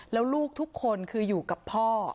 แล้วลูกทุกคนคืออยู่กับพ่อ